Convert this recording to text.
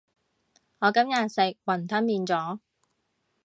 我今日食雲吞麵咗